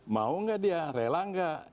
mau gak dia rela gak